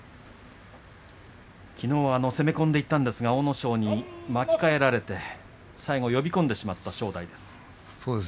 きのう攻め込んでいったんですが阿武咲に巻き替えられて最後呼び込んでしまった正代です。